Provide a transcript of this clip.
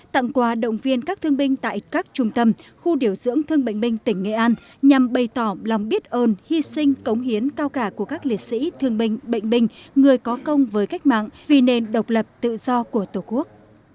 tặng quà động viên các thương binh tại các trung tâm khu điều dưỡng thương bệnh binh tỉnh nghệ an nhằm bày tỏ lòng biết ơn hy sinh cống hiến cao cả của các liệt sĩ thương binh bệnh binh người có công với cách mạng vì nền độc lập tự do của tổ quốc